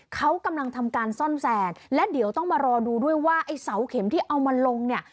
เขากำลังทำการซ่อมแซมและเดี๋ยวต้องมารอดูด้วยว่าไอ้เสาเข็มที่เอามาลงเนี่ย